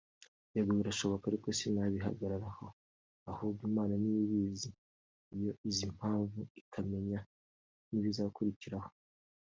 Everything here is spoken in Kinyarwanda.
yego birashoboka ariko sinabihagararaho ahubwo Imana niyo ibizi yo izi impamvu ikamenya n'ibizakurikiraho